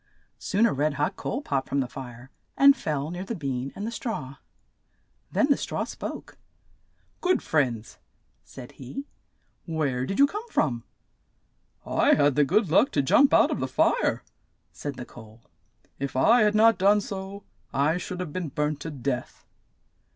Soon a red hot coal popped from the fire, and fell near the bean and the straw. Then the straw spoke. "Good friends," said he, "where did you come from?" "I had the good luck to jump out of the fire," said the coal. "If I had not done so, I should have been burnt to death."